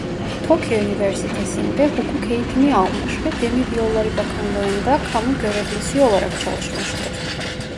Tokyo Üniversitesi'nde hukuk eğitimi almış ve Demiryolları Bakanlığı'nda kamu görevlisi olarak çalışmıştır.